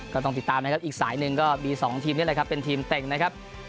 ก็ต้องติดตามนะครับอีกสายหนึ่งก็มี๒ทีมนี่แหละครับเป็นทีมเต็งนะครับ